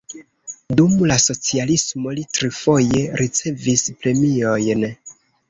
Dum la socialismo li trifoje ricevis premiojn.